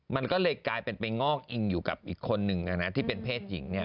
มันก็เลยกลายเป็นไปงอกอิงอยู่กับอีกคนนึงที่เป็นเพศหญิงเนี่ย